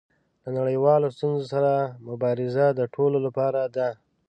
له نړیوالو ستونزو سره مبارزه د ټولو لپاره ده.